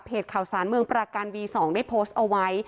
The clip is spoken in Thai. ข่าวสารเมืองประการวี๒ได้โพสต์เอาไว้